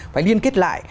phải liên kết lại